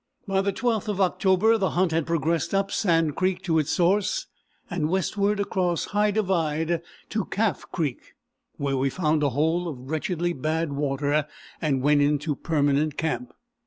By the 12th of October the hunt had progressed up Sand Creek to its source, and westward across the High Divide to Calf Creek, where we found a hole of wretchedly bad water and went into permanent camp.